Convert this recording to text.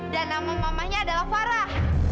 dan nama mamanya adalah farah